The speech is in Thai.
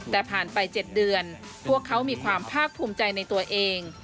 แต่ผ่านไป๗เดือนพวกเขามีความภาคภูมิใจในตัวเอง